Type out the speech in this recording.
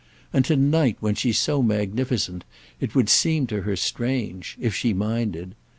And to night, when she's so magnificent, it would seem to her strange—if she minded.